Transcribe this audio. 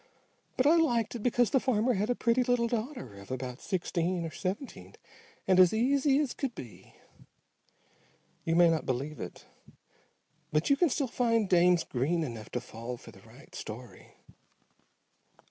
But I liked it because the farmer had a pretty little daughter of about sixteen or seventeen and as easy as could be. You may not believe it, but you can still find dames green enough to fall for the right story.